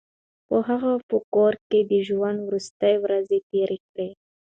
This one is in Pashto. هغه په کور کې د ژوند وروستۍ ورځې تېرې کړې.